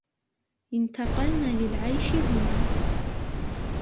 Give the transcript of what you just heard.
انتقلن للعيش هنا.